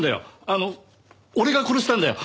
あの俺が殺したんだよ。